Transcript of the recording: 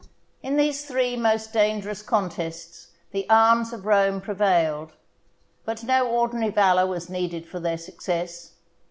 In these three most dangerous contests the arms of Rome prevailed; but no ordinary valour was needed for their success.